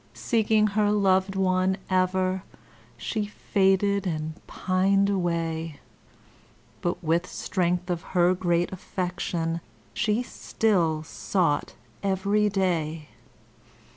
Seeking her loved one ever, she faded and pined away, But with strength of her great affection she still sought every day.